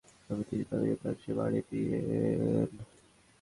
তারা তার নিকট যে ধরনের প্রশ্ন করল তিনি তাদেরকে তার চেয়ে বাড়িয়ে উত্তর দিলেন।